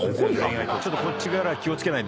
ちょっとこっち気を付けないと。